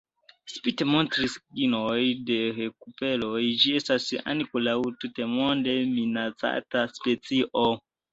Spite montri signojn de rekupero, ĝi estas ankoraŭ tutmonde minacata specio.